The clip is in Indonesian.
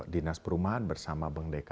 dinas perumahan bersama bkd